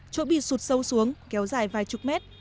chỗ bị sụt sâu xuống kéo dài vài chục mét